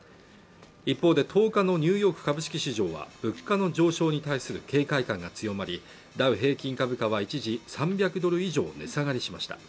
一方で１０日のニューヨーク株式市場は物価の上昇に対する警戒感が強まりダウ平均株価は一時３００ドル以上値下がりしました